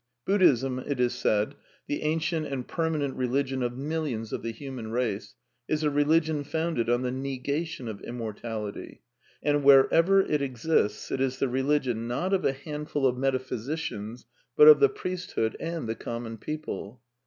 Buddhism, it is said, the ancient and permanent religion of millions of the human race, is a religion founded on the negation of immortality. And wherever it exists it is the religion, not of a handful of metaphysicians but of the priesthood and the common people.